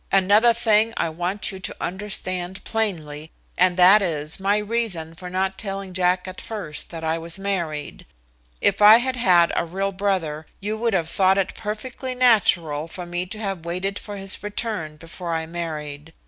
Another thing I want you to understand plainly and that is my reason for not telling Jack at first that I was married. "If I had had a real brother, you would have thought it perfectly natural for me to have waited for his return before I married.